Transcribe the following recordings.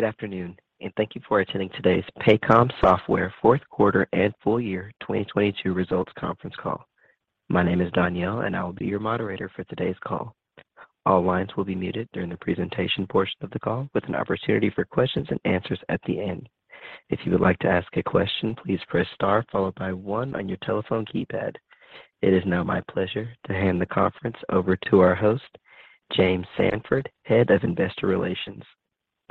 Good afternoon. Thank you for attending today's Paycom Software fourth quarter and full year 2022 results conference call. My name is Danielle. I will be your moderator for today's call. All lines will be muted during the presentation portion of the call with an opportunity for questions-and-answers at the end. If you would like to ask a question, please press star followed by one on your telephone keypad. It is now my pleasure to hand the conference over to our host, James Samford, Head of Investor Relations.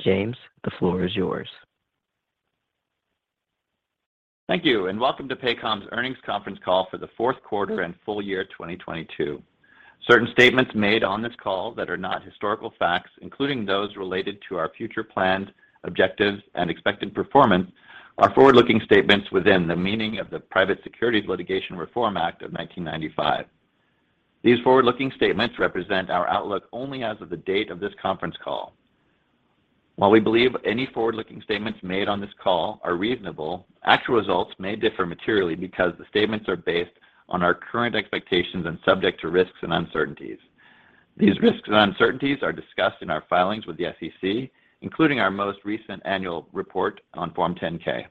James, the floor is yours. Thank you, and welcome to Paycom's Earnings Conference Call for the fourth quarter and full year 2022. Certain statements made on this call that are not historical facts, including those related to our future plans, objectives, and expected performance, are forward-looking statements within the meaning of the Private Securities Litigation Reform Act of 1995. These forward-looking statements represent our outlook only as of the date of this conference call. While we believe any forward-looking statements made on this call are reasonable, actual results may differ materially because the statements are based on our current expectations and subject to risks and uncertainties. These risks and uncertainties are discussed in our filings with the SEC, including our most recent annual report on Form 10-K.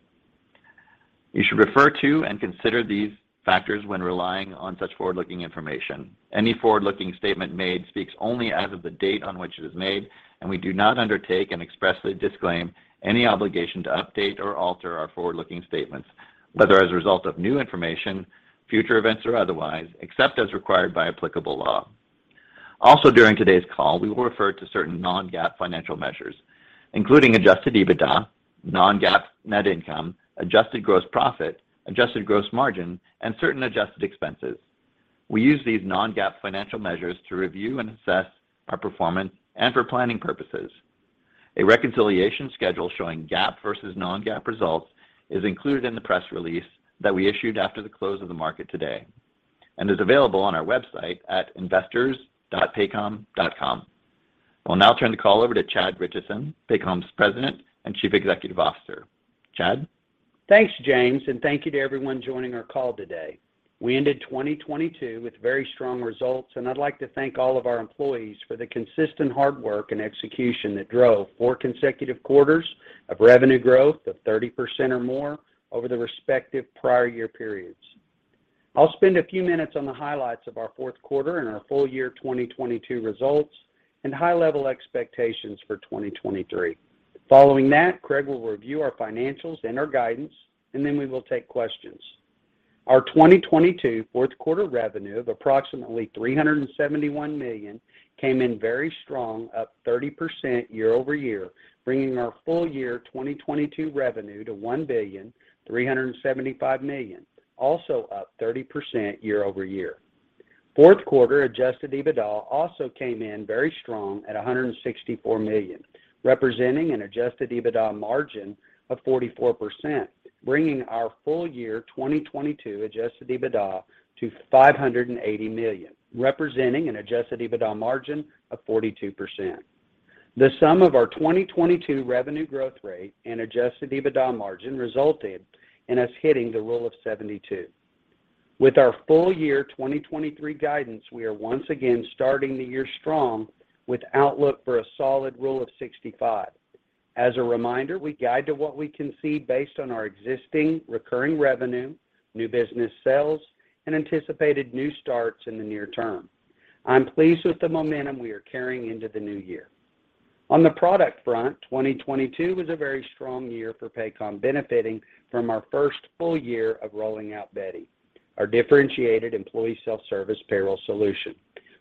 You should refer to and consider these factors when relying on such forward-looking information. Any forward-looking statement made speaks only as of the date on which it is made, and we do not undertake and expressly disclaim any obligation to update or alter our forward-looking statements, whether as a result of new information, future events or otherwise, except as required by applicable law. During today's call, we will refer to certain non-GAAP financial measures, including adjusted EBITDA, non-GAAP net income, adjusted gross profit, adjusted gross margin, and certain adjusted expenses. We use these non-GAAP financial measures to review and assess our performance and for planning purposes. A reconciliation schedule showing GAAP versus non-GAAP results is included in the press release that we issued after the close of the market today and is available on our website at investors.paycom.com. I'll now turn the call over to Chad Richison, Paycom's President and Chief Executive Officer. Chad? Thanks, James, thank you to everyone joining our call today. We ended 2022 with very strong results, and I'd like to thank all of our employees for the consistent hard work and execution that drove four consecutive quarters of revenue growth of 30% or more over the respective prior year periods. I'll spend a few minutes on the highlights of our fourth quarter and our full year 2022 results and high level expectations for 2023. Following that, Craig will review our financials and our guidance, then we will take questions. Our 2022 fourth quarter revenue of approximately $371 million came in very strong, up 30% year-over-year, bringing our full year 2022 revenue to $1,375 million, also up 30% year-over-year. Fourth quarter adjusted EBITDA also came in very strong at $164 million, representing an adjusted EBITDA margin of 44%, bringing our full year 2022 adjusted EBITDA to $580 million, representing an adjusted EBITDA margin of 42%. The sum of our 2022 revenue growth rate and adjusted EBITDA margin resulted in us hitting the Rule of 72. With our full year 2023 guidance, we are once again starting the year strong with outlook for a solid Rule of 65. As a reminder, we guide to what we can see based on our existing recurring revenue, new business sales, and anticipated new starts in the near term. I'm pleased with the momentum we are carrying into the new year. On the product front, 2022 was a very strong year for Paycom, benefiting from our first full year of rolling out Beti, our differentiated employee self-service payroll solution.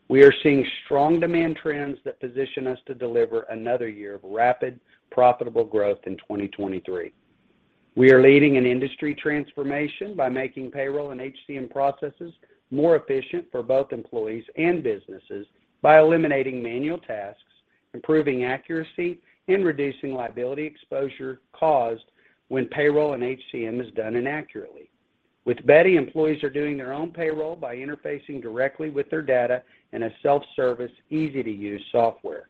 We are seeing strong demand trends that position us to deliver another year of rapid, profitable growth in 2023. We are leading an industry transformation by making payroll and HCM processes more efficient for both employees and businesses by eliminating manual tasks, improving accuracy, and reducing liability exposure caused when payroll and HCM is done inaccurately. With Beti, employees are doing their own payroll by interfacing directly with their data in a self-service, easy-to-use software.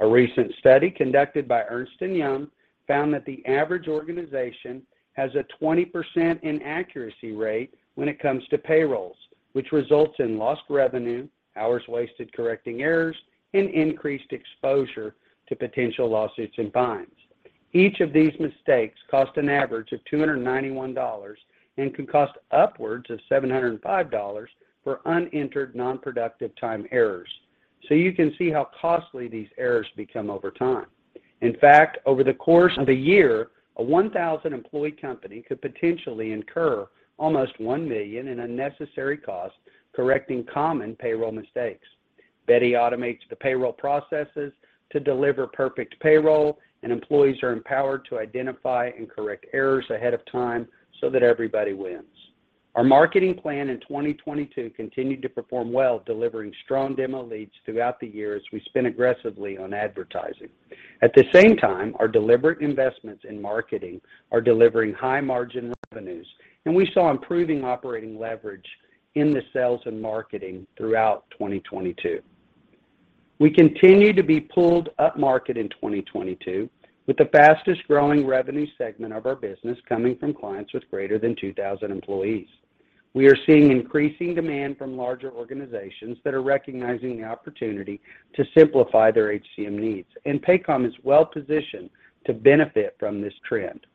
A recent study conducted by Ernst & Young found that the average organization has a 20% inaccuracy rate when it comes to payrolls, which results in lost revenue, hours wasted correcting errors, and increased exposure to potential lawsuits and fines. Each of these mistakes cost an average of $291 and can cost upwards of $705 for unentered non-productive time errors. You can see how costly these errors become over time. In fact, over the course of a year, a 1,000 employee company could potentially incur almost $1 million in unnecessary costs correcting common payroll mistakes. Beti automates the payroll processes to deliver perfect payroll. Employees are empowered to identify and correct errors ahead of time so that everybody wins. Our marketing plan in 2022 continued to perform well, delivering strong demo leads throughout the year as we spent aggressively on advertising. At the same time, our deliberate investments in marketing are delivering high margin revenues. We saw improving operating leverage in the sales and marketing throughout 2022. We continue to be pulled upmarket in 2022, with the fastest growing revenue segment of our business coming from clients with greater than 2,000 employees. We are seeing increasing demand from larger organizations that are recognizing the opportunity to simplify their HCM needs, and Paycom is well positioned to benefit from this trend.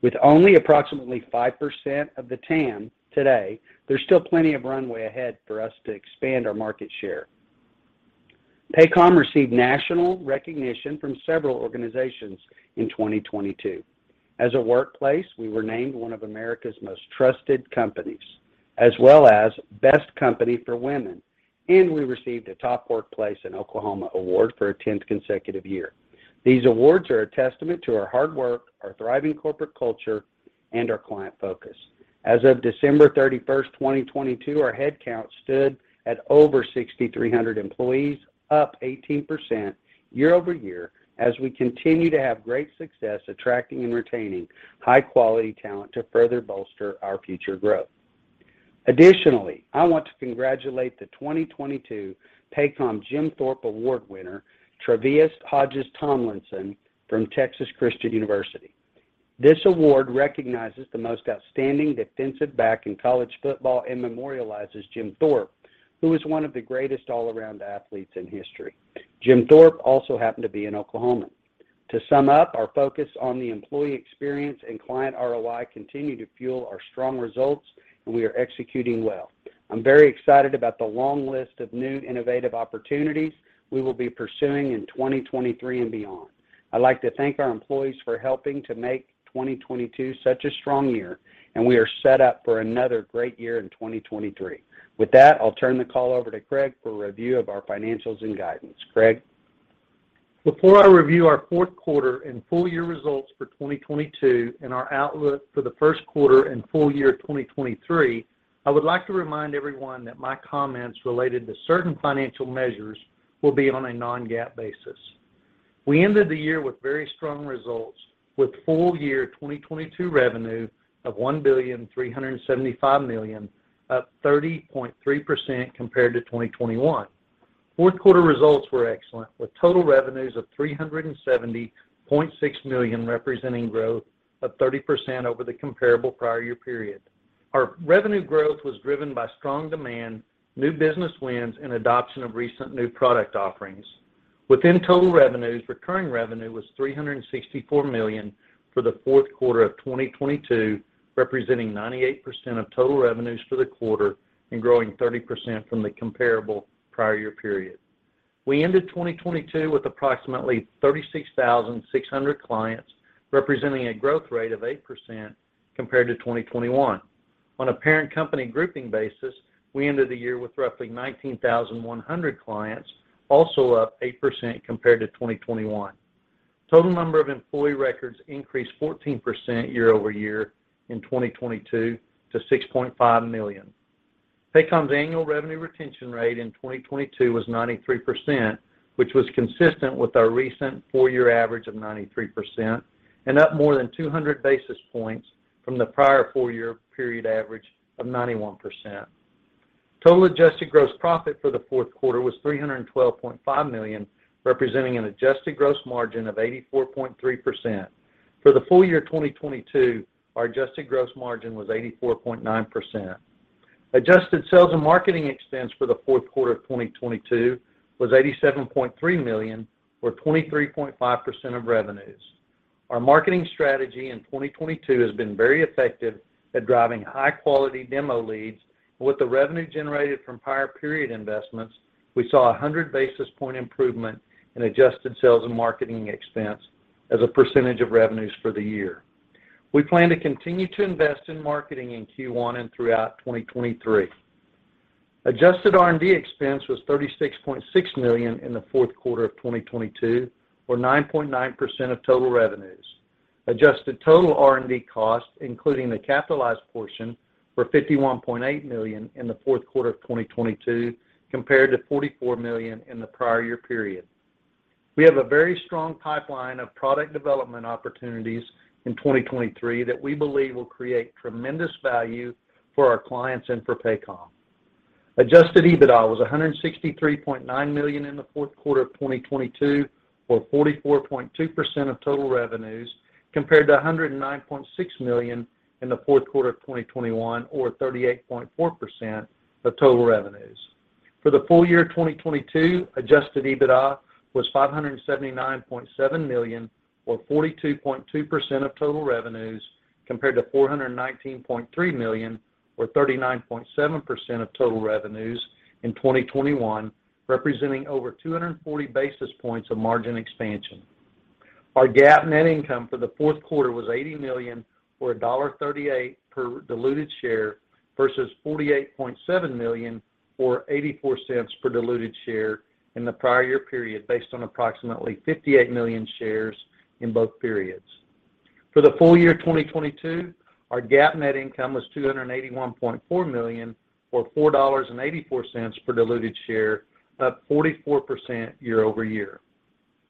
With only approximately 5% of the TAM today, there's still plenty of runway ahead for us to expand our market share. Paycom received national recognition from several organizations in 2022. As a workplace, we were named one of America's most trusted companies as well as best company for women, and we received a top workplace in Oklahoma award for a 10th consecutive year. These awards are a testament to our hard work, our thriving corporate culture, and our client focus. As of December 31st, 2022, our head count stood at over 6,300 employees, up 18% year-over-year as we continue to have great success attracting and retaining high-quality talent to further bolster our future growth. Additionally, I want to congratulate the 2022 Paycom Jim Thorpe Award winner, Tre'Vius Hodges-Tomlinson from Texas Christian University. This award recognizes the most outstanding defensive back in college football and memorializes Jim Thorpe, who is one of the greatest all-around athletes in history. Jim Thorpe also happened to be an Oklahoman. To sum up, our focus on the employee experience and client ROI continue to fuel our strong results, and we are executing well. I'm very excited about the long list of new innovative opportunities we will be pursuing in 2023 and beyond. I'd like to thank our employees for helping to make 2022 such a strong year. We are set up for another great year in 2023. With that, I'll turn the call over to Craig for a review of our financials and guidance. Craig? Before I review our fourth quarter and full year results for 2022 and our outlook for the first quarter and full year 2023, I would like to remind everyone that my comments related to certain financial measures will be on a non-GAAP basis. We ended the year with very strong results with full year 2022 revenue of $1.375 billion, up 30.3% compared to 2021. Fourth quarter results were excellent with total revenues of $370.6 million, representing growth of 30% over the comparable prior year period. Our revenue growth was driven by strong demand, new business wins, and adoption of recent new product offerings. Within total revenues, recurring revenue was $364 million for the fourth quarter of 2022, representing 98% of total revenues for the quarter and growing 30% from the comparable prior year period. We ended 2022 with approximately 36,600 clients, representing a growth rate of 8% compared to 2021. On a parent company grouping basis, we ended the year with roughly 19,100 clients, also up 8% compared to 2021. Total number of employee records increased 14% year-over-year in 2022 to 6.5 million. Paycom's annual revenue retention rate in 2022 was 93%, which was consistent with our recent four-year average of 93% and up more than 200 basis points from the prior four-year period average of 91%. Total adjusted gross profit for the fourth quarter was $312.5 million, representing an adjusted gross margin of 84.3%. For the full year 2022, our adjusted gross margin was 84.9%. Adjusted sales and marketing expense for the fourth quarter of 2022 was $87.3 million or 23.5% of revenues. Our marketing strategy in 2022 has been very effective at driving high-quality demo leads. With the revenue generated from prior period investments, we saw a 100 basis point improvement in adjusted sales and marketing expense as a percentage of revenues for the year. We plan to continue to invest in marketing in Q1 and throughout 2023. Adjusted R&D expense was $36.6 million in the fourth quarter of 2022 or 9.9% of total revenues. Adjusted total R&D costs, including the capitalized portion, were $51.8 million in the fourth quarter of 2022 compared to $44 million in the prior year period. We have a very strong pipeline of product development opportunities in 2023 that we believe will create tremendous value for our clients and for Paycom. Adjusted EBITDA was $163.9 million in the fourth quarter of 2022 or 44.2% of total revenues compared to $109.6 million in the fourth quarter of 2021 or 38.4% of total revenues. For the full year 2022, adjusted EBITDA was $579.7 million or 42.2% of total revenues compared to $419.3 million or 39.7% of total revenues in 2021, representing over 240 basis points of margin expansion. Our GAAP net income for the fourth quarter was $80 million or $1.38 per diluted share versus $48.7 million or $0.84 per diluted share in the prior year period based on approximately 58 million shares in both periods. For the full year 2022, our GAAP net income was $281.4 million or $4.84 per diluted share, up 44% year-over-year.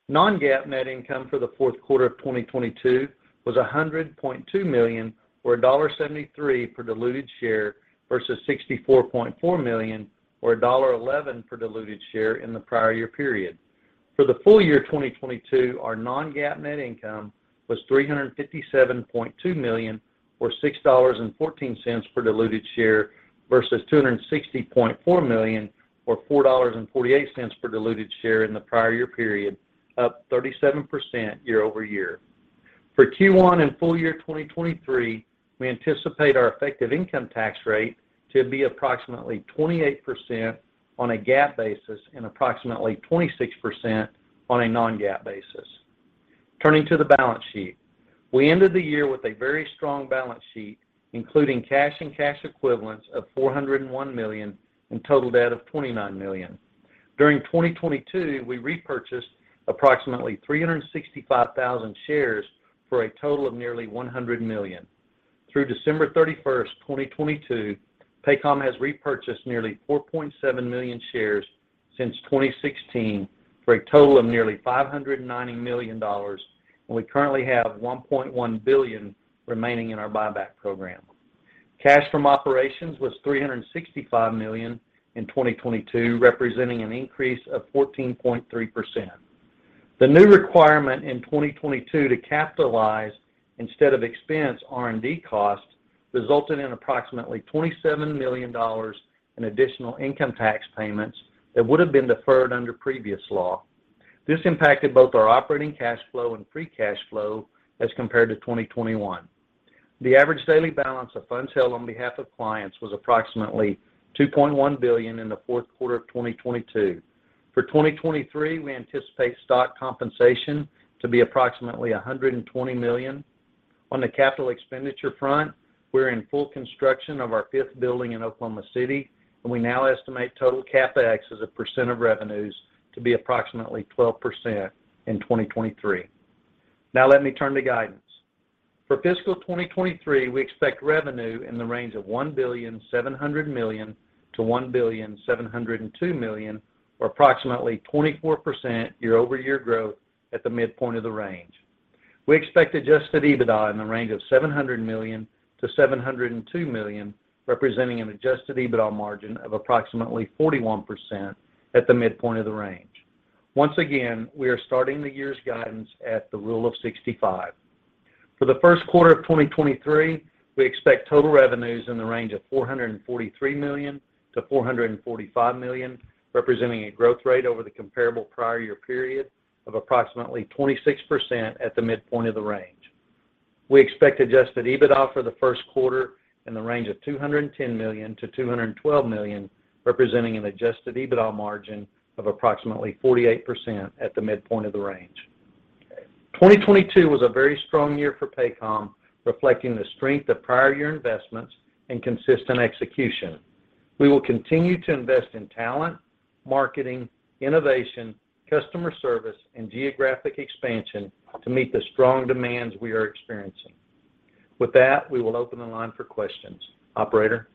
Non-GAAP net income for the fourth quarter of 2022 was $100.2 million or $1.73 per diluted share versus $64.4 million or $1.11 per diluted share in the prior year period. For the full year 2022, our non-GAAP net income was $357.2 million or $6.14 per diluted share versus $260.4 million or $4.48 per diluted share in the prior year period, up 37% year-over-year. For Q1 and full year 2023, we anticipate our effective income tax rate to be approximately 28% on a GAAP basis and approximately 26% on a non-GAAP basis. Turning to the balance sheet. We ended the year with a very strong balance sheet, including cash and cash equivalents of $401 million and total debt of $29 million. During 2022, we repurchased approximately 365,000 shares for a total of nearly $100 million. Through December 31st, 2022, Paycom has repurchased nearly 4.7 million shares since 2016 for a total of nearly $590 million, and we currently have $1.1 billion remaining in our buyback program. Cash from operations was $365 million in 2022, representing an increase of 14.3%. The new requirement in 2022 to capitalize instead of expense R&D costs resulted in approximately $27 million in additional income tax payments that would have been deferred under previous law. This impacted both our operating cash flow and free cash flow as compared to 2021. The average daily balance of funds held on behalf of clients was approximately $2.1 billion in the fourth quarter of 2022. For 2023, we anticipate stock compensation to be approximately $120 million. On the capital expenditure front, we're in full construction of our fifth building in Oklahoma City, and we now estimate total CapEx as a percent of revenues to be approximately 12% in 2023. Now let me turn to guidance. For fiscal 2023, we expect revenue in the range of $1,700 million-$1,702 million, or approximately 24% year-over-year growth at the midpoint of the range. We expect adjusted EBITDA in the range of $700 million-$702 million, representing an adjusted EBITDA margin of approximately 41% at the midpoint of the range. Once again, we are starting the year's guidance at the Rule of 65. For the first quarter of 2023, we expect total revenues in the range of $443 million-$445 million, representing a growth rate over the comparable prior year period of approximately 26% at the midpoint of the range. We expect adjusted EBITDA for the first quarter in the range of $210 million-$212 million, representing an adjusted EBITDA margin of approximately 48% at the midpoint of the range. 2022 was a very strong year for Paycom, reflecting the strength of prior year investments and consistent execution. We will continue to invest in talent, marketing, innovation, customer service, and geographic expansion to meet the strong demands we are experiencing. We will open the line for questions. Operator?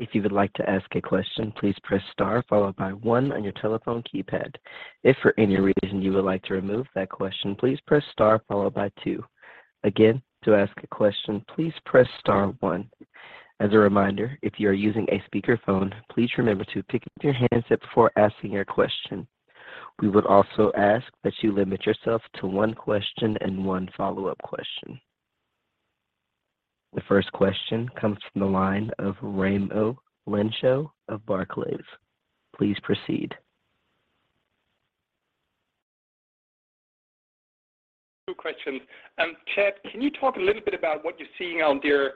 If you would like to ask a question, please press star followed by one on your telephone keypad. If for any reason you would like to remove that question, please press star followed by two. Again, to ask a question, please press star one. As a reminder, if you are using a speakerphone, please remember to pick up your handset before asking your question. We would also ask that you limit yourself to one question and one follow-up question. The first question comes from the line of Raimo Lenschow of Barclays. Please proceed. Two questions. Chad, can you talk a little bit about what you're seeing out there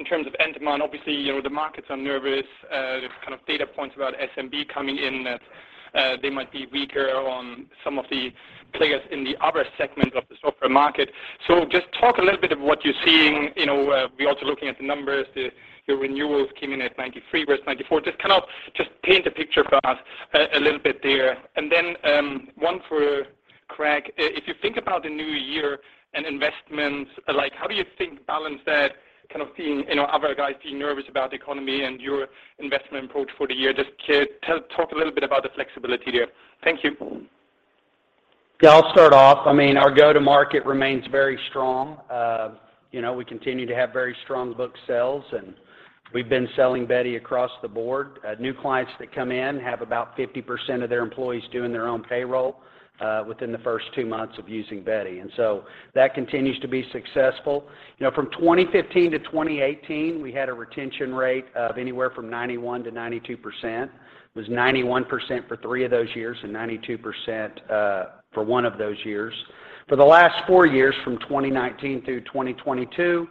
in terms of end demand? Obviously, you know, the markets are nervous. There's kind of data points about SMB coming in, they might be weaker on some of the players in the other segment of the software market. Just talk a little bit of what you're seeing. You know, we're also looking at the numbers. Your renewals came in at 93% versus 94%. Just kind of paint a picture for us a little bit there. One for Craig. If you think about the new year and investments alike, how do you think balance that kind of seeing, you know, other guys being nervous about the economy and your investment approach for the year? Just talk a little bit about the flexibility there. Thank you. Yeah, I'll start off. I mean, our go-to-market remains very strong. You know, we continue to have very strong book sales, and we've been selling Beti across the board. New clients that come in have about 50% of their employees doing their own payroll within the first two months of using Beti. That continues to be successful. You know, from 2015 to 2018, we had a retention rate of anywhere from 91%-92%. It was 91% for three of those years and 92% for one of those years. For the last four years, from 2019 through 2022,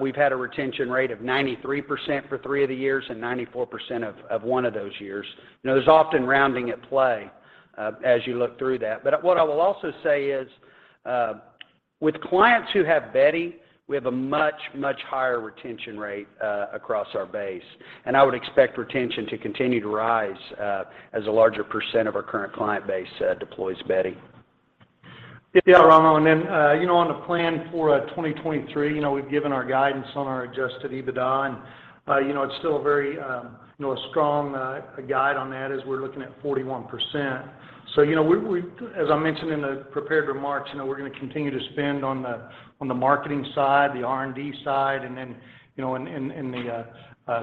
we've had a retention rate of 93% for three of the years and 94% of one of those years. You know, there's often rounding at play as you look through that. What I will also say is, with clients who have Beti, we have a much, much higher retention rate across our base, and I would expect retention to continue to rise as a larger percent of our current client base deploys Beti. Yeah, Raimo, then, you know, on the plan for 2023, you know, we've given our guidance on our adjusted EBITDA and, you know, it's still a very, you know, a strong guide on that as we're looking at 41%. You know, we, as I mentioned in the prepared remarks, you know, we're gonna continue to spend on the marketing side, the R&D side, and then, you know, in the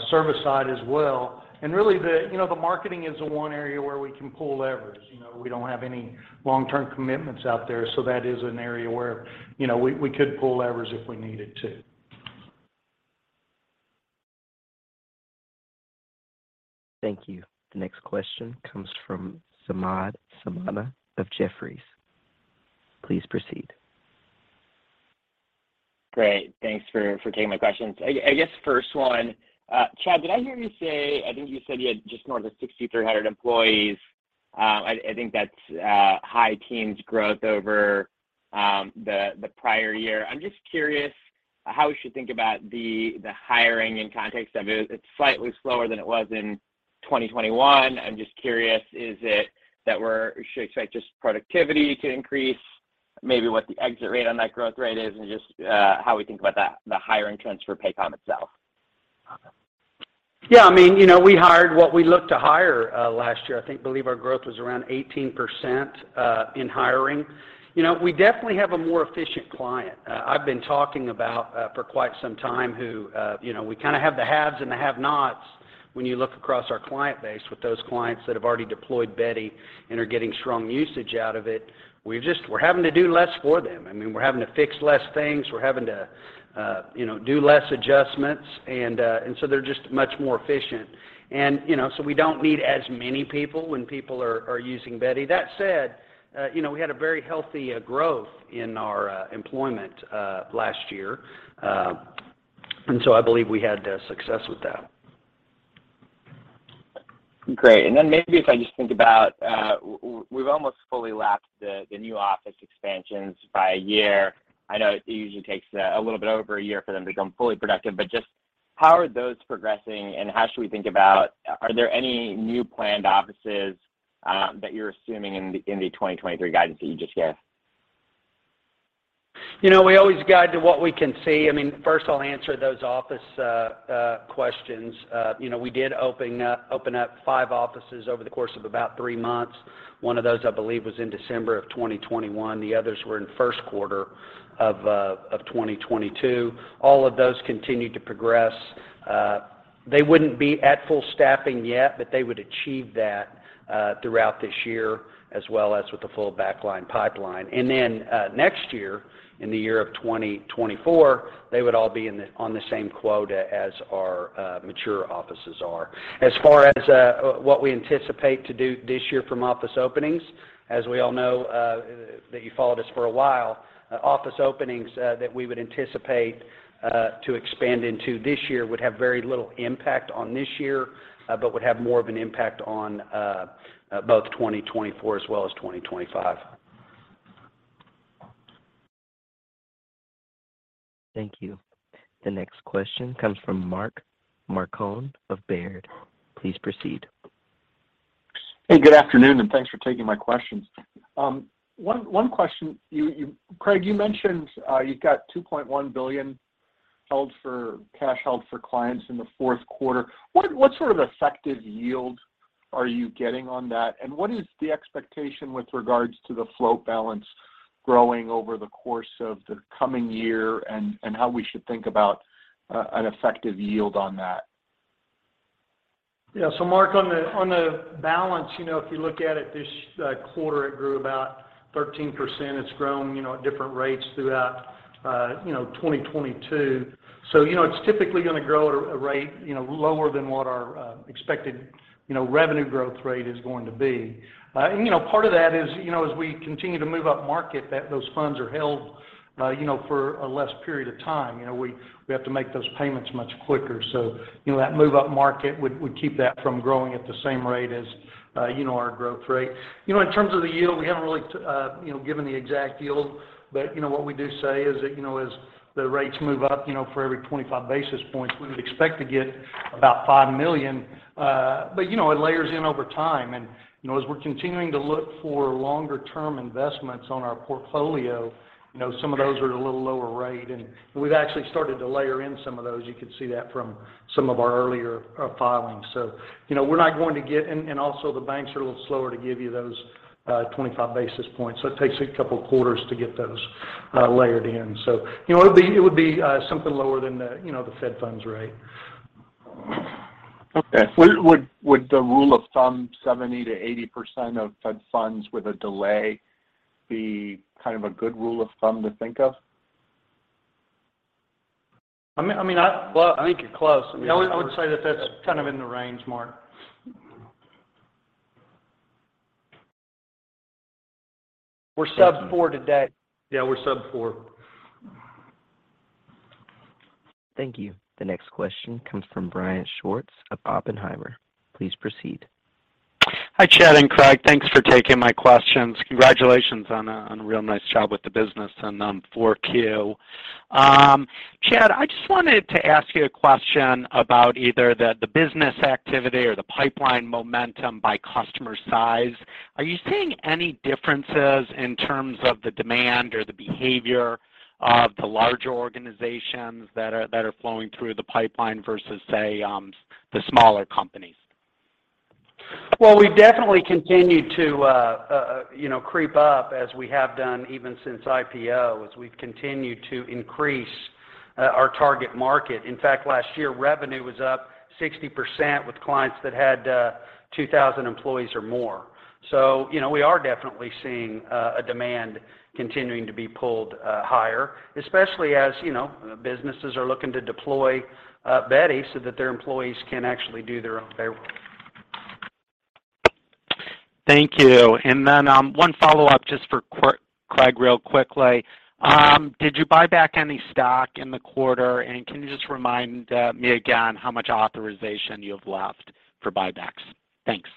service side as well. Really, the, you know, the marketing is the one area where we can pull levers. You know, we don't have any long-term commitments out there, so that is an area where, you know, we could pull levers if we needed to. Thank you. The next question comes from Samad Samana of Jefferies. Please proceed. Great. Thanks for taking my questions. I guess first one, Chad, did I hear you say... I think you said you had just more than 6,300 employees? I think that's high teens growth over the prior year. I'm just curious how we should think about the hiring in context of it. It's slightly slower than it was in 2021. I'm just curious, is it that Should expect just productivity to increase, maybe what the exit rate on that growth rate is and just how we think about the hiring trends for Paycom itself? Yeah. I mean, you know, we hired what we looked to hire last year. I think believe our growth was around 18% in hiring. You know, we definitely have a more efficient client. I've been talking about for quite some time who, you know, we kind of have the haves and the have-nots when you look across our client base with those clients that have already deployed Beti and are getting strong usage out of it. We're having to do less for them. I mean, we're having to fix less things. We're having to, you know, do less adjustments. They're just much more efficient. You know, we don't need as many people when people are using Beti. That said, you know, we had a very healthy, growth in our, employment, last year. I believe we had, success with that. Great. Maybe if I just think about, we've almost fully lapped the new office expansions by a year. I know it usually takes a little bit over a year for them to become fully productive, but just how are those progressing, and how should we think about? Are there any new planned offices that you're assuming in the 2023 guidance that you just gave? You know, we always guide to what we can see. I mean, first, I'll answer those office questions. You know, we did open up five offices over the course of about three months. One of those, I believe, was in December of 2021. The others were in first quarter of 2022. All of those continued to progress. They wouldn't be at full staffing yet, but they would achieve that throughout this year, as well as with the full backline pipeline. Then, next year, in the year of 2024, they would all be on the same quota as our mature offices are. As far as what we anticipate to do this year from office openings, as we all know that you followed us for a while, office openings that we would anticipate to expand into this year would have very little impact on this year, but would have more of an impact on both 2024 as well as 2025. Thank you. The next question comes from Mark Marcon of Baird. Please proceed. Hey, good afternoon. Thanks for taking my questions. One question. Craig, you mentioned, you've got $2.1 billion held for cash held for clients in the fourth quarter. What sort of effective yield are you getting on that? What is the expectation with regards to the float balance growing over the course of the coming year and how we should think about an effective yield on that? Mark, on the balance, you know, if you look at it this quarter, it grew about 13%. It's grown, you know, at different rates throughout, you know, 2022. You know, it's typically gonna grow at a rate, you know, lower than what our expected, you know, revenue growth rate is going to be. You know, part of that is, you know, as we continue to move up market, that those funds are held, you know, for a less period of time. You know, we have to make those payments much quicker. You know, that move up market would keep that from growing at the same rate as, you know, our growth rate. You know, in terms of the yield, we haven't really, you know, given the exact yield. You know, what we do say is that, you know, as the rates move up, you know, for every 25 basis points, we would expect to get about $5 million. You know, it layers in over time. You know, as we're continuing to look for longer term investments on our portfolio, you know, some of those are at a little lower rate, and we've actually started to layer in some of those. You could see that from some of our earlier filings. You know, we're not going to get. Also the banks are a little slower to give you those 25 basis points. It takes a couple quarters to get those layered in. You know, it would be something lower than the, you know, the fed funds rate. Okay. Would the rule of thumb 70%-80% of fed funds with a delay be kind of a good rule of thumb to think of? I mean, I, well, I think you're close. I mean, I would say that that's kind of in the range, Mark. We're sub four today. Yeah, we're sub four. Thank you. The next question comes from Brian Schwartz of Oppenheimer. Please proceed. Hi, Chad and Craig. Thanks for taking my questions. Congratulations on a real nice job with the business and on 4Q. Chad, I just wanted to ask you a question about either the business activity or the pipeline momentum by customer size. Are you seeing any differences in terms of the demand or the behavior of the larger organizations that are flowing through the pipeline versus, say, the smaller companies? Well, we've definitely continued to, you know, creep up as we have done even since IPO, as we've continued to increase our target market. In fact, last year, revenue was up 60% with clients that had 2,000 employees or more. You know, we are definitely seeing a demand continuing to be pulled higher, especially as, you know, businesses are looking to deploy Beti so that their employees can actually do their own payroll. Thank you. One follow-up just for Craig real quickly. Did you buy back any stock in the quarter? Can you just remind me again how much authorization you have left for buybacks? Thanks.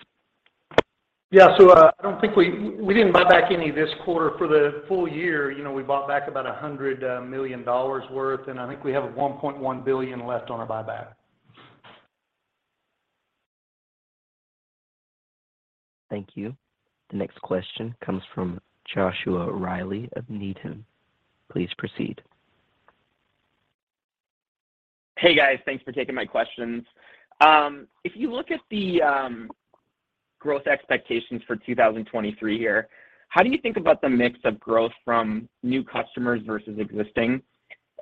I don't think we didn't buy back any this quarter. For the full year, you know, we bought back about $100 million worth, and I think we have $1.1 billion left on our buyback. Thank you. The next question comes from Joshua Reilly of Needham. Please proceed. Hey, guys. Thanks for taking my questions. If you look at the growth expectations for 2023 here, how do you think about the mix of growth from new customers versus existing?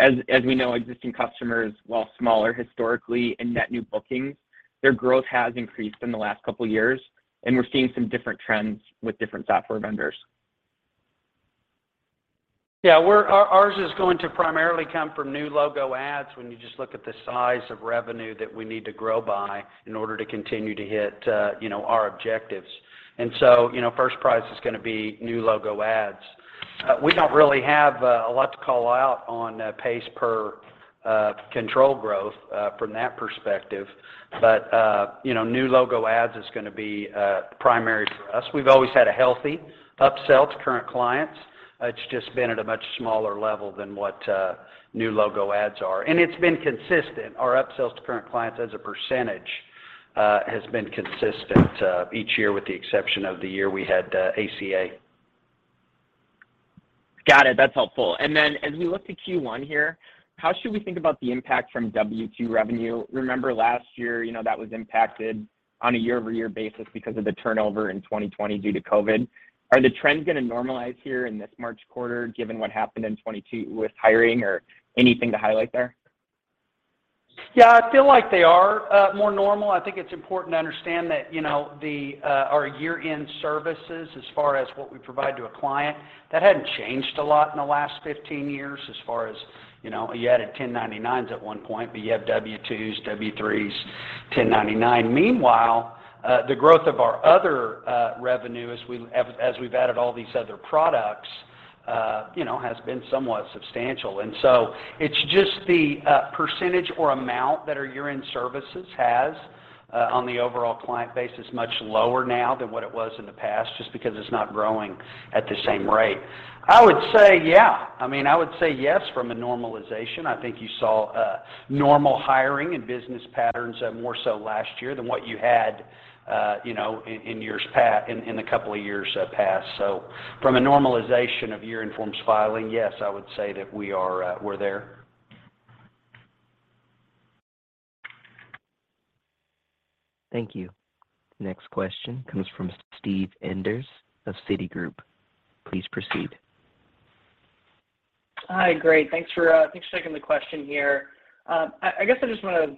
As we know, existing customers, while smaller historically in net new bookings, their growth has increased in the last couple of years, and we're seeing some different trends with different software vendors. Yeah. Ours is going to primarily come from new logo ads when you just look at the size of revenue that we need to grow by in order to continue to hit, you know, our objectives. You know, first prize is gonna be new logo ads. We don't really have a lot to call out on pace per control growth from that perspective. You know, new logo ads is gonna be primary for us. We've always had a healthy upsell to current clients. It's just been at a much smaller level than what new logo ads are. It's been consistent. Our upsells to current clients as a percentage has been consistent each year with the exception of the year we had ACA. Got it. That's helpful. As we look to Q1 here, how should we think about the impact from W-2 revenue? Remember last year, you know, that was impacted on a year-over-year basis because of the turnover in 2020 due to COVID. Are the trends gonna normalize here in this March quarter given what happened in 2022 with hiring or anything to highlight there? Yeah. I feel like they are more normal. I think it's important to understand that, you know, the our year-end services as far as what we provide to a client, that hadn't changed a lot in the last 15 years as far as, you know, you added 1099s at one point, but you have W-2s, W-3s, 1099. Meanwhile, the growth of our other revenue as we've added all these other products, you know, has been somewhat substantial. It's just the percentage or amount that our year-end services has on the overall client base is much lower now than what it was in the past just because it's not growing at the same rate. I would say, yeah. I mean, I would say yes from a normalization. I think you saw, normal hiring and business patterns, more so last year than what you had, you know, in a couple of years past. From a normalization of year-end forms filing, yes, I would say that we are, we're there. Thank you. Next question comes from Steve Enders of Citigroup. Please proceed. Hi. Great. Thanks for thanks for taking the question here. I guess I just wanna,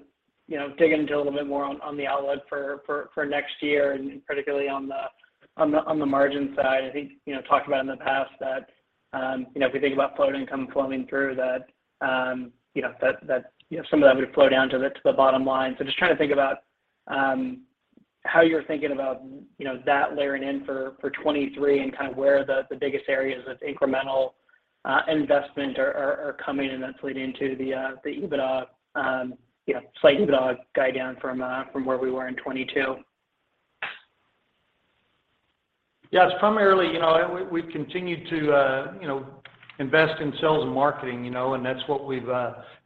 you know, dig into a little bit more on the outlook for next year and particularly on the margin side. I think, you know, talked about in the past that, you know, if we think about floating income flowing through that, you know, that, you know, some of that would flow down to the bottom line. Just trying to think about how you're thinking about, you know, that layering in for 2023 and kind of where the biggest areas of incremental investment are coming and that's leading to the EBITDA, you know, slight EBITDA guide down from where we were in 2022. Yeah. It's primarily, you know, we've continued to, you know, invest in sales and marketing, you know, and that's what we've, you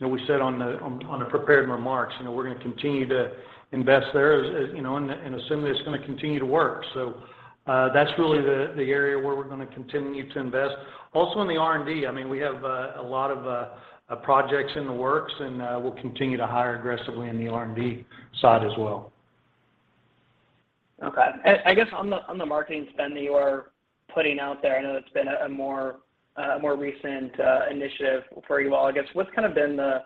know, we said on the prepared remarks. You know, we're gonna continue to invest there as you know, and assume that it's gonna continue to work. That's really the area where we're gonna continue to invest. Also in the R&D, I mean, we have a lot of projects in the works, and we'll continue to hire aggressively in the R&D side as well. Okay. I guess on the marketing spend that you are putting out there, I know it's been a more recent initiative for you all, I guess. What's kind of been the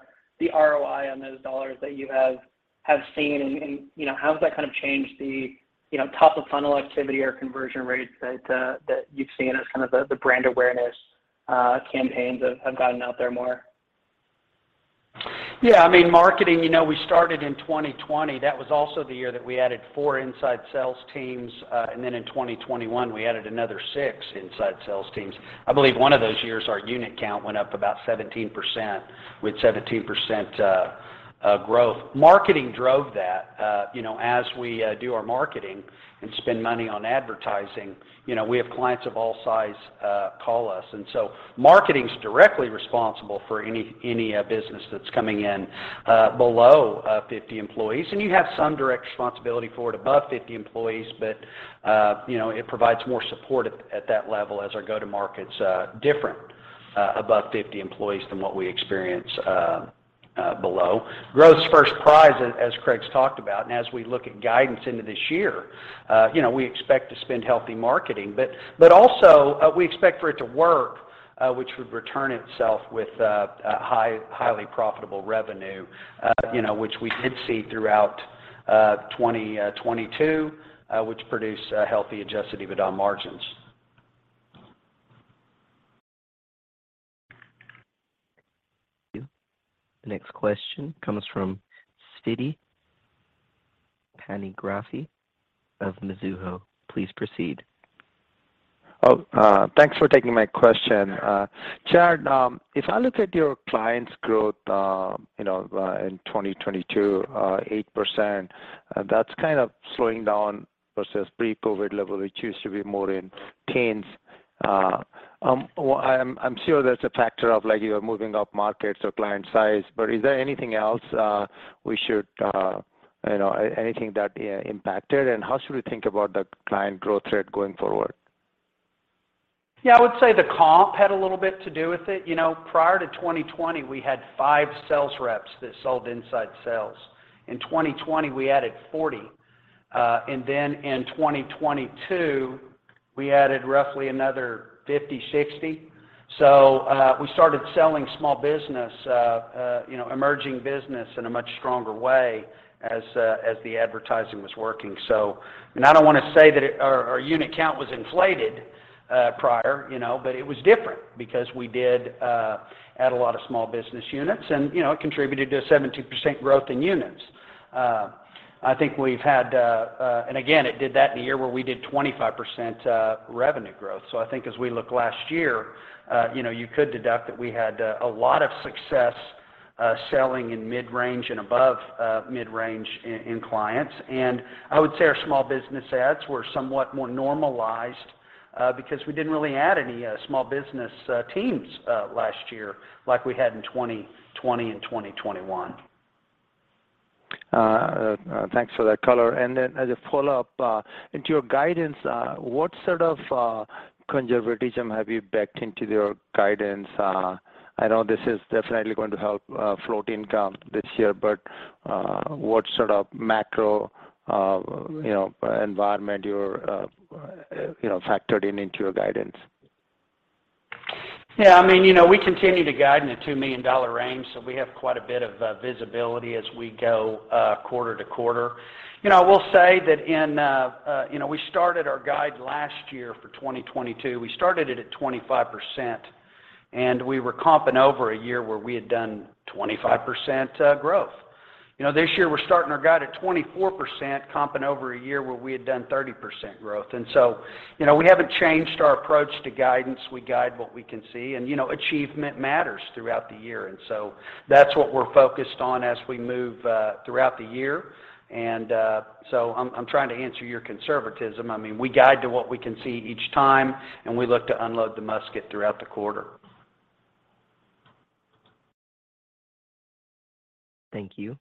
ROI on those dollars that you have seen and, you know, how has that kind of changed the, you know, top of funnel activity or conversion rates that you've seen as kind of the brand awareness campaigns have gotten out there more? I mean, marketing, you know, we started in 2020. That was also the year that we added four inside sales teams. In 2021, we added another six inside sales teams. I believe one of those years, our unit count went up about 17% with 17% growth. Marketing drove that. You know, as we do our marketing and spend money on advertising, you know, we have clients of all size call us. Marketing's directly responsible for any business that's coming in below 50 employees. You have some direct responsibility for it above 50 employees, but, you know, it provides more support at that level as our go-to-market's different above 50 employees than what we experience below. Growth's first prize, as Craig's talked about, and as we look at guidance into this year, you know, we expect to spend healthy marketing. Also, we expect for it to work, which would return itself with highly profitable revenue, you know, which we did see throughout 2022, which produced healthy adjusted EBITDA margins. The next question comes from Siti Panigrahi of Mizuho. Please proceed. Thanks for taking my question. Chad, if I look at your clients growth in 2022, 8%, that's kind of slowing down versus pre-COVID level, which used to be more in teens. Well I'm sure there's a factor of like you're moving up markets or client size, but is there anything else we should, anything that impacted? How should we think about the client growth rate going forward? Yeah, I would say the comp had a little bit to do with it. You know, prior to 2020 we had five sales reps that sold inside sales. In 2020, we added 40, and then in 2022, we added roughly another 50, 60. We started selling small business, you know, emerging business in a much stronger way as the advertising was working. I don't want to say that our unit count was inflated, prior, you know, but it was different because we did add a lot of small business units and, you know, it contributed to a 17% growth in units. I think we've had... Again, it did that in a year where we did 25% revenue growth. I think as we look last year, you know, you could deduct that we had a lot of success, selling in mid-range and above, mid-range in clients. I would say our small business ads were somewhat more normalized, because we didn't really add any small business teams last year like we had in 2020 and 2021. Thanks for that color. As a follow-up, into your guidance, what sort of conservatism have you backed into your guidance? I know this is definitely going to help float income this year, but what sort of macro, you know, environment you're, you know, factored in into your guidance? Yeah, I mean, you know, we continue to guide in the $2 million range. We have quite a bit of visibility as we go quarter-over-quarter. You know, I will say that, you know, we started our guide last year for 2022. We started it at 25%. We were comping over a year where we had done 25% growth. You know, this year we're starting our guide at 24% comping over a year where we had done 30% growth. You know, we haven't changed our approach to guidance. We guide what we can see. You know, achievement matters throughout the year. That's what we're focused on as we move throughout the year. I'm trying to answer your conservatism. I mean, we guide to what we can see each time, and we look to unload the musket throughout the quarter. Thank you.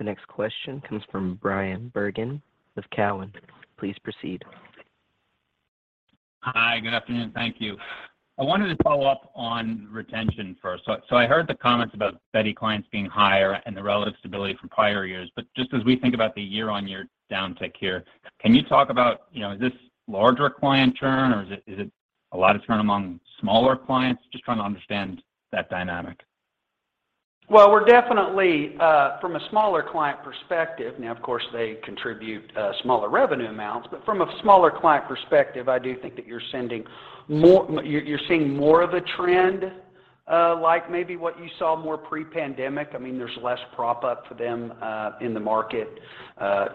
The next question comes from Bryan Bergin with Cowen. Please proceed. Hi, good afternoon. Thank you. I wanted to follow up on retention first. I heard the comments about Beti clients being higher and the relative stability from prior years. Just as we think about the year-on-year downtick here, can you talk about, you know, is this larger client churn or is it a lot of churn among smaller clients? Just trying to understand that dynamic. We're definitely, from a smaller client perspective, now of course, they contribute, smaller revenue amounts, but from a smaller client perspective, I do think that you're seeing more of a trend, like maybe what you saw more pre-pandemic. I mean, there's less prop up for them in the market.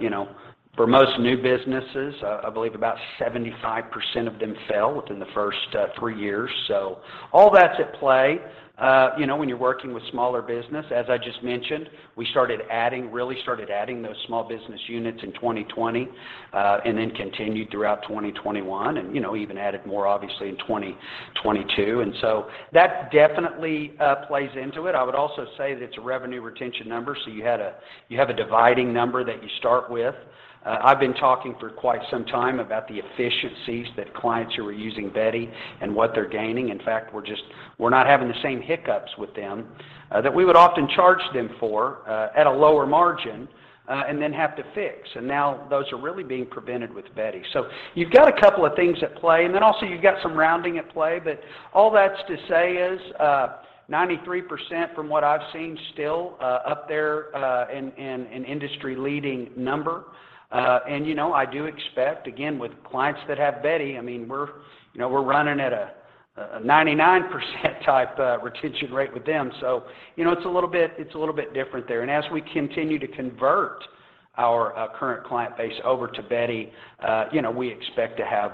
You know, for most new businesses, I believe about 75% of them fail within the first three years. All that's at play, you know, when you're working with smaller business. As I just mentioned, we started adding, really started adding those small business units in 2020, and then continued throughout 2021 and, you know, even added more obviously in 2022. That definitely plays into it. I would also say that it's a revenue retention number. You have a dividing number that you start with. I've been talking for quite some time about the efficiencies that clients who are using Beti and what they're gaining. In fact, we're not having the same hiccups with them that we would often charge them for at a lower margin and then have to fix. Now those are really being prevented with Beti. You've got a couple of things at play, and then also you've got some rounding at play. All that's to say is 93% from what I've seen still up there in an industry leading number. You know, I do expect, again, with clients that have Beti, I mean, we're, you know, we're running at a 99% type retention rate with them. You know, it's a little bit different there. As we continue to convert our current client base over to Beti, you know, we expect to have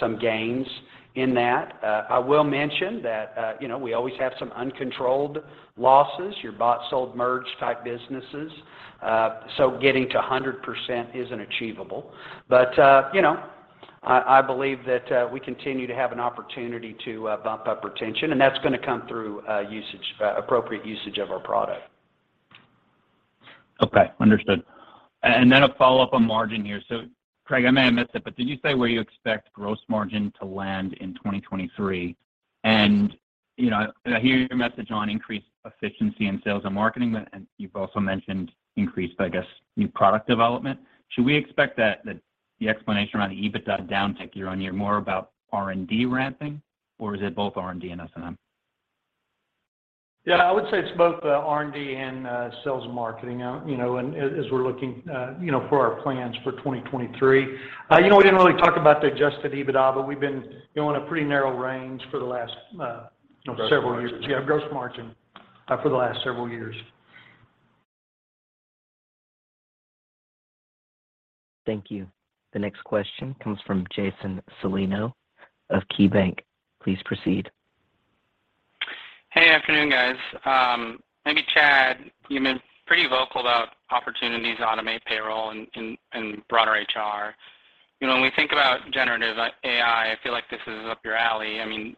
some gains in that. I will mention that, you know, we always have some uncontrolled losses, your bought, sold, merged type businesses. Getting to 100% isn't achievable. You know, I believe that we continue to have an opportunity to bump up retention, and that's gonna come through usage, appropriate usage of our product. Okay, understood. Then a follow-up on margin here. Craig, I may have missed it, but did you say where you expect gross margin to land in 2023? You know, I hear your message on increased efficiency in sales and marketing, but, and you've also mentioned increased, I guess, new product development. Should we expect that the explanation around the EBITDA downtick year-over-year more about R&D ramping, or is it both R&D and S&M? Yeah, I would say it's both, R&D and sales and marketing, you know, and as we're looking, you know, for our plans for 2023. You know, we didn't really talk about the adjusted EBITDA, but we've been, you know, in a pretty narrow range for the last, you know, several years. Gross margin. Yeah, gross margin for the last several years. Thank you. The next question comes from Jason Celino of KeyBanc. Please proceed. Hey, afternoon, guys. Maybe Chad, you've been pretty vocal about opportunities to automate payroll and broader HR. You know, when we think about generative AI, I feel like this is up your alley. I mean,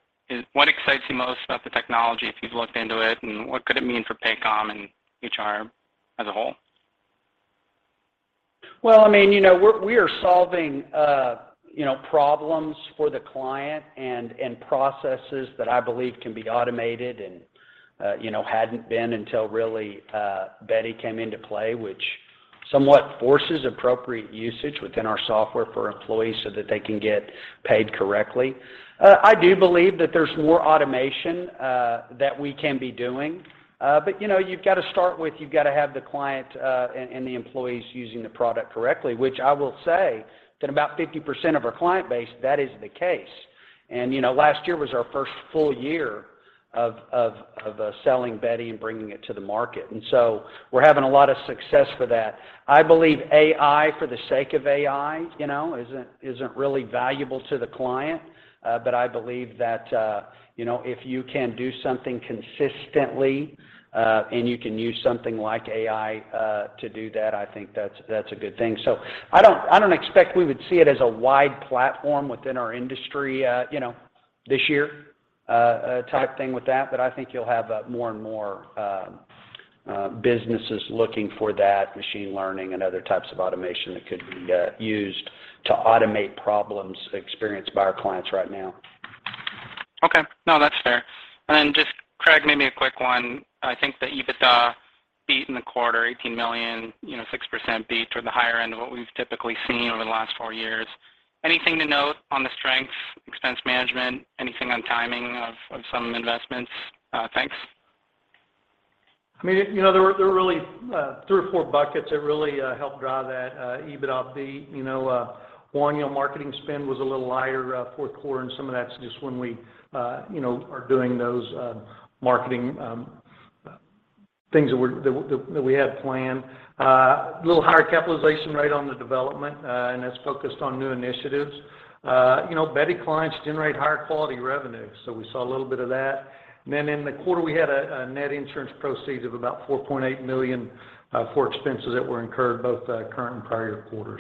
what excites you most about the technology if you've looked into it, and what could it mean for Paycom and HR as a whole? Well, I mean, you know, we are solving, you know, problems for the client and processes that I believe can be automated and, you know, hadn't been until really Beti came into play, which somewhat forces appropriate usage within our software for employees so that they can get paid correctly. I do believe that there's more automation that we can be doing. But, you know, you've got to start with you've got to have the client and the employees using the product correctly, which I will say that about 50% of our client base, that is the case. You know, last year was our first full year of selling Beti and bringing it to the market. So we're having a lot of success with that. I believe AI, for the sake of AI, you know, isn't really valuable to the client. I believe that, you know, if you can do something consistently, and you can use something like AI, to do that, I think that's a good thing. I don't expect we would see it as a wide platform within our industry, you know, this year, type thing with that. I think you'll have more and more businesses looking for that machine learning and other types of automation that could be used to automate problems experienced by our clients right now. No, that's fair. Just Craig, maybe a quick one. I think the EBITDA beat in the quarter, $18 million, you know, 6% beat or the higher end of what we've typically seen over the last four years. Anything to note on the strength, expense management, anything on timing of some investments? Thanks. I mean, you know, there were really, three or four buckets that really helped drive that EBITDA beat. You know, one, you know, marketing spend was a little higher, fourth quarter, and some of that's just when we, you know, are doing those marketing things that we had planned. A little higher capitalization rate on the development, and that's focused on new initiatives. You know, Beti clients generate higher quality revenue, so we saw a little bit of that. In the quarter, we had a net insurance proceeds of about $4.8 million for expenses that were incurred both current and prior quarter.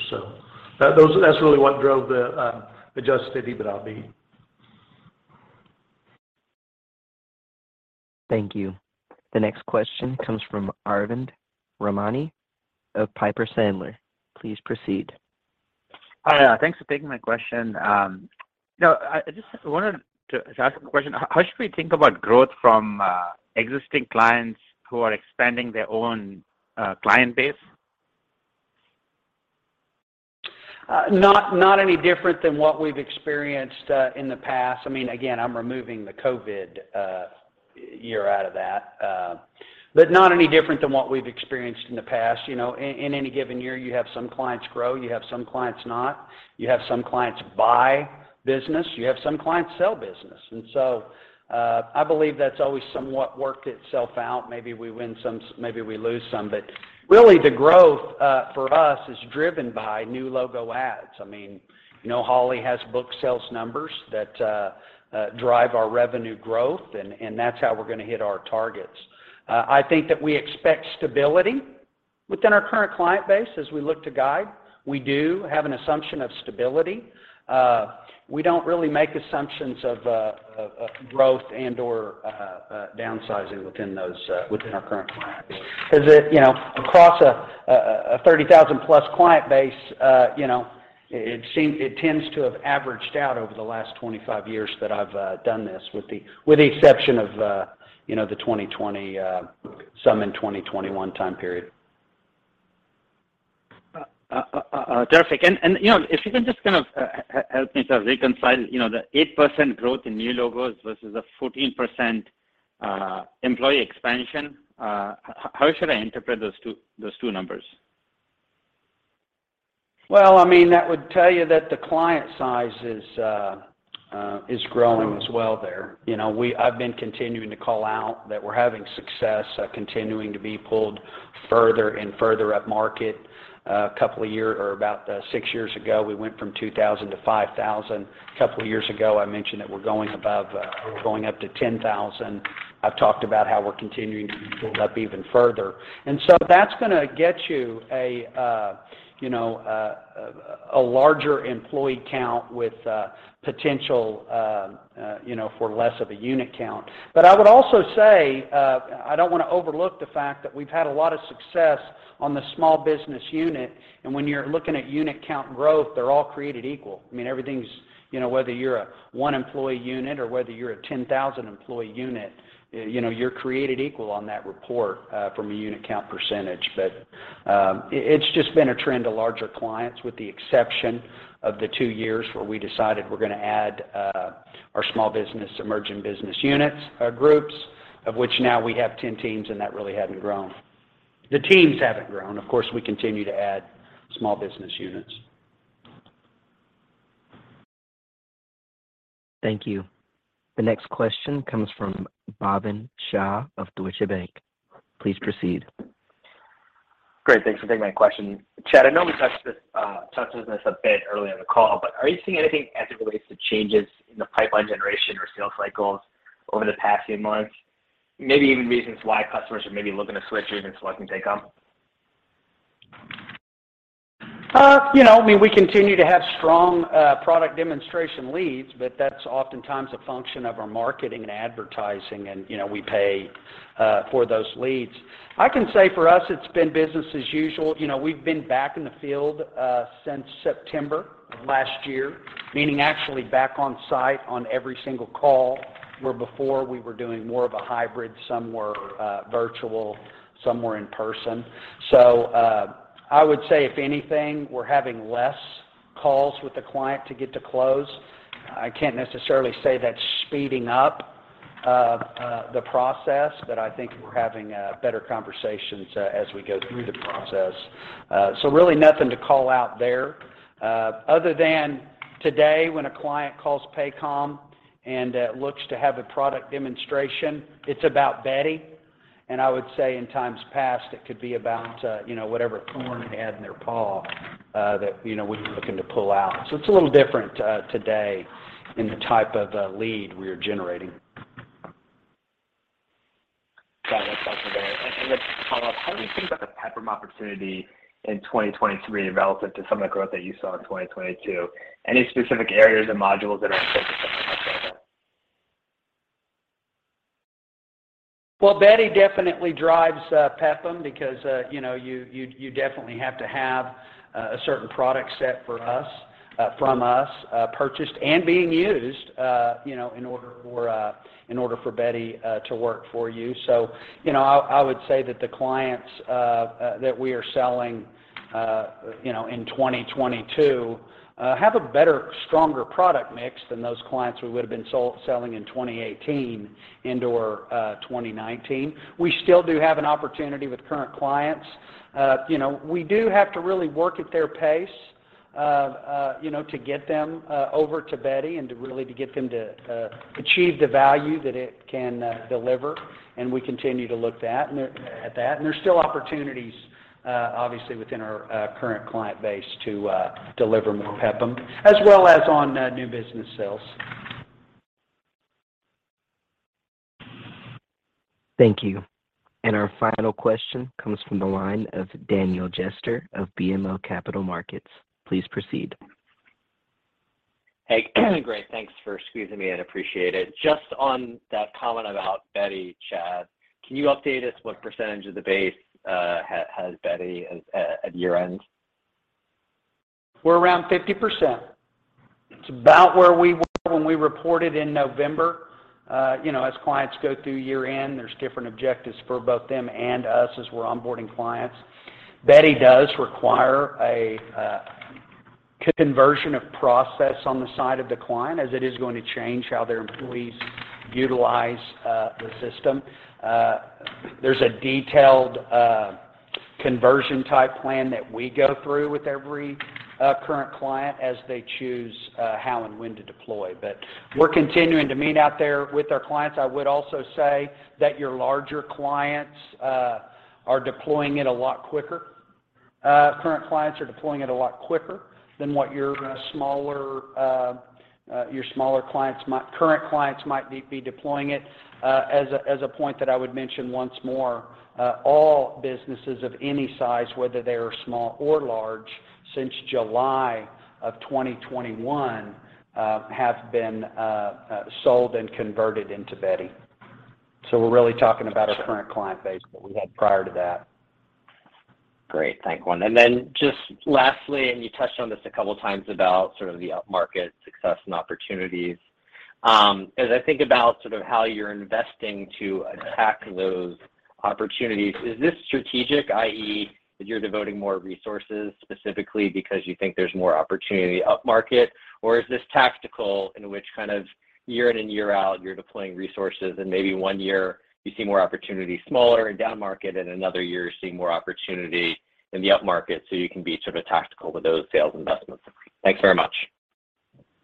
That's really what drove the adjusted EBITDA beat. Thank you. The next question comes from Arvind Ramnani of Piper Sandler. Please proceed. Hi. Thanks for taking my question. You know, I just wanted to ask a question. How should we think about growth from existing clients who are expanding their own client base? Not any different than what we've experienced in the past. I mean, again, I'm removing the COVID year out of that. But not any different than what we've experienced in the past. You know, in any given year, you have some clients grow, you have some clients not. You have some clients buy business, you have some clients sell business. I believe that's always somewhat worked itself out. Maybe we win some, maybe we lose some. But really, the growth for us is driven by new logo adds. I mean, you know, Holly has book sales numbers that drive our revenue growth, and that's how we're going to hit our targets. I think that we expect stability within our current client base as we look to guide. We do have an assumption of stability. We don't really make assumptions of growth and/or downsizing within those, within our current client base 'cause it, you know, across a 30,000+ client base, you know, it tends to have averaged out over the last 25 years that I've done this with the, with the exception of, you know, the 2020, some in 2021 time period. Terrific. You know, if you can just kind of help me to reconcile, you know, the 8% growth in new logos versus a 14% employee expansion. How should I interpret those two numbers? Well, I mean, that would tell you that the client size is growing as well there. You know, I've been continuing to call out that we're having success, continuing to be pulled further and further up market. A couple of years ago, or about six years ago, we went from 2,000 to 5,000. A couple of years ago, I mentioned that we're going above, we're going up to 10,000. I've talked about how we're continuing to be pulled up even further. That's gonna get you a, you know, a larger employee count with potential, you know, for less of a unit count. I would also say, I don't want to overlook the fact that we've had a lot of success on the small business unit. When you're looking at unit count growth, they're all created equal. I mean, everything's, you know, whether you're a one employee unit or whether you're a 10,000 employee unit, you know, you're created equal on that report from a unit count percentage. It's just been a trend of larger clients, with the exception of the two years where we decided we're going to add our small business, emerging business units, groups, of which now we have 10 teams. That really hadn't grown. The teams haven't grown. Of course, we continue to add small business units. Thank you. The next question comes from Bhavin Shah of Deutsche Bank. Please proceed. Great. Thanks for taking my question. Chad, I know we touched on this a bit earlier in the call, but are you seeing anything as it relates to changes in the pipeline generation or sales cycles over the past few months? Maybe even reasons why customers are maybe looking to switch even selecting Paycom? you know, I mean, we continue to have strong product demonstration leads, but that's oftentimes a function of our marketing and advertising and, you know, we pay for those leads. I can say for us it's been business as usual. You know, we've been back in the field since September of last year, meaning actually back on site on every single call, where before we were doing more of a hybrid. Some were virtual, some were in person. I would say if anything, we're having less calls with the client to get to close. I can't necessarily say that's speeding up the process, but I think we're having better conversations as we go through the process. Really nothing to call out there, other than today when a client calls Paycom and looks to have a product demonstration, it's about Beti. I would say in times past, it could be about, you know, whatever thorn they had in their paw, that, you know, we were looking to pull out. It's a little different today in the type of lead we are generating. Got it. Thanks for that. Just to follow up, how do you think about the PEPPM opportunity in 2023 in relative to some of the growth that you saw in 2022? Any specific areas or modules that are specific to that program? Well, Beti definitely drives PEPPM because, you know, you definitely have to have a certain product set for us, from us, purchased and being used, you know, in order for Beti to work for you. You know, I would say that the clients that we are selling, you know, in 2022, have a better, stronger product mix than those clients we would've been selling in 2018 into 2019. We still do have an opportunity with current clients. You know, we do have to really work at their pace, you know, to get them over to Beti and to really get them to achieve the value that it can deliver. We continue to look that and at that. There's still opportunities, obviously within our current client base to deliver more PEPPM as well as on new business sales. Thank you. Our final question comes from the line of Daniel Jester of BMO Capital Markets. Please proceed. Hey. Great. Thanks for squeezing me in. Appreciate it. Just on that comment about Beti, Chad, can you update us what percent of the base has Beti at year-end? We're around 50%. It's about where we were when we reported in November. you know, as clients go through year-end, there's different objectives for both them and us as we're onboarding clients. Beti does require a conversion of process on the side of the client as it is going to change how their employees utilize the system. There's a detailed conversion type plan that we go through with every current client as they choose how and when to deploy. We're continuing to meet out there with our clients. I would also say that your larger clients are deploying it a lot quicker. Current clients are deploying it a lot quicker than what your smaller, current clients might be deploying it. As a point that I would mention once more, all businesses of any size, whether they are small or large since July of 2021, have been sold and converted into Beti. We're really talking about- Sure. our current client base that we had prior to that. Great. Thank you. Just lastly, and you touched on this a couple times about sort of the upmarket success and opportunities. As I think about sort of how you're investing to attack those opportunities, is this strategic, i.e., you're devoting more resources specifically because you think there's more opportunity upmarket, or is this tactical in which kind of year in and year out you're deploying resources and maybe one year you see more opportunity smaller and downmarket, and another year you're seeing more opportunity in the upmarket so you can be sort of tactical with those sales investments? Thanks very much.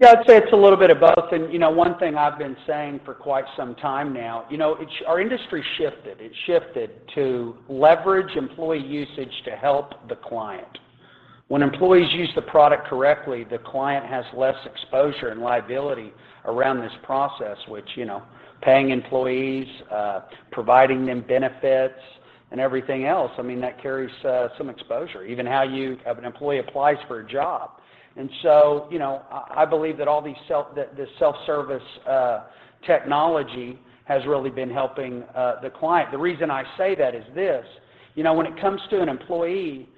Yeah. I'd say it's a little bit of both. You know, one thing I've been saying for quite some time now, you know, our industry shifted. It shifted to leverage employee usage to help the client. When employees use the product correctly, the client has less exposure and liability around this process, which, you know, paying employees, providing them benefits and everything else, I mean, that carries some exposure, even how you have an employee applies for a job. You know, I believe that this self-service technology has really been helping the client. The reason I say that is this: You know, when it comes to an employee,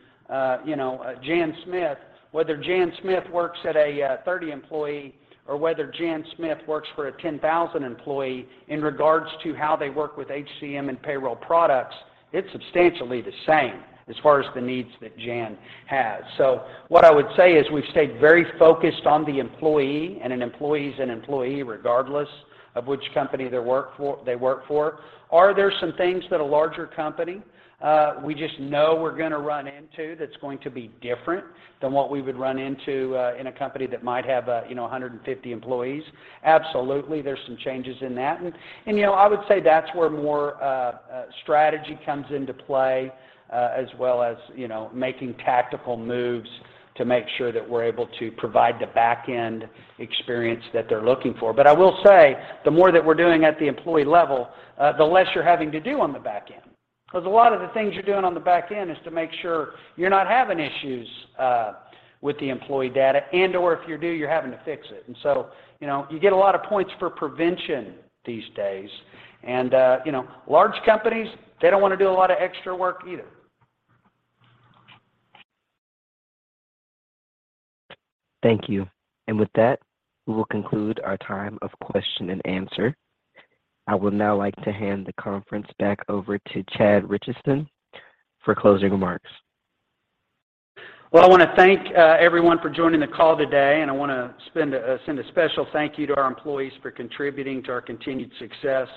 you know, Jan Smith, whether Jan Smith works at a 30 employee or whether Jan Smith works for a 10,000 employee in regards to how they work with HCM and payroll products, it's substantially the same as far as the needs that Jan has. What I would say is we've stayed very focused on the employee, and an employee is an employee regardless of which company they work for. Are there some things that a larger company, we just know we're gonna run into that's going to be different than what we would run into in a company that might have, you know, 150 employees? Absolutely. There's some changes in that. You know, I would say that's where more strategy comes into play, as well as, you know, making tactical moves to make sure that we're able to provide the back end experience that they're looking for. I will say the more that we're doing at the employee level, the less you're having to do on the back end. 'Cause a lot of the things you're doing on the back end is to make sure you're not having issues with the employee data and/or if you do, you're having to fix it. So, you know, you get a lot of points for prevention these days. You know, large companies, they don't wanna do a lot of extra work either. Thank you. With that, we will conclude our time of question-and-answer. I would now like to hand the conference back over to Chad Richison for closing remarks. Well, I wanna thank everyone for joining the call today, and I wanna send a special thank you to our employees for contributing to our continued success.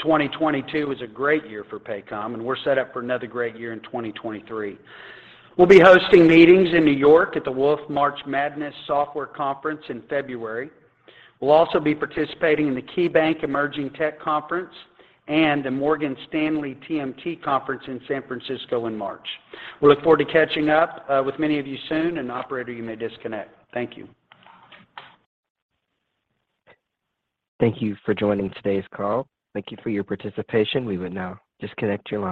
2022 is a great year for Paycom, and we're set up for another great year in 2023. We'll be hosting meetings in New York at the Wolfe March Madness Software Conference in February. We'll also be participating in the KeyBanc Emerging Tech Conference and the Morgan Stanley TMT conference in San Francisco in March. We look forward to catching up with many of you soon. Operator, you may disconnect. Thank you. Thank you for joining today's call. Thank you for your participation. We would now disconnect your line.